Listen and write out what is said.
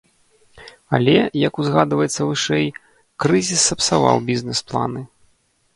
Але, як узгадваецца вышэй, крызіс сапсаваў бізнес-планы.